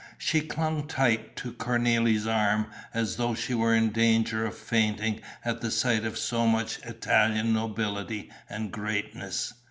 She clung tight to Cornélie's arm, as though she were in danger of fainting at the sight of so much Italian nobility and greatness.